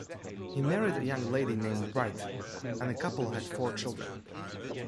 He married a young lady named Wright, and the couple had four children.